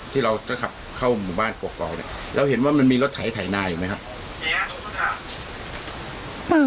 ที่เราจะขับเข้าหมู่บ้านกกอกเนี่ยเราเห็นว่ามันมีรถไถนาอยู่ไหมครับ